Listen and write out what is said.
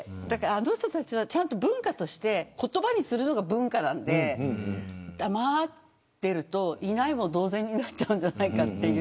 あの人たちは文化として言葉にするのが文化なのでだまっているといないも同然になっちゃうんじゃないかと。